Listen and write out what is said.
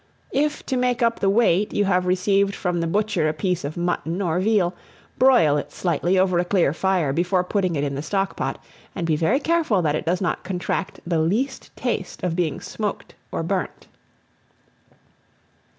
If, to make up the weight, you have received from the butcher a piece of mutton or veal, broil it slightly over a clear fire before putting it in the stock pot, and be very careful that it does not contract the least taste of being smoked or burnt.